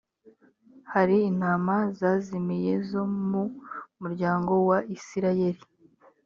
hari intama zazimiye zo mu muryango wa isirayeli